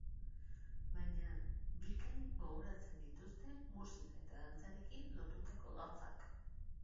Baina, bikain gogoratzen dituzte musika eta dantzarekin lotutako gauzak.